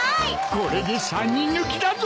これで３人抜きだぞ！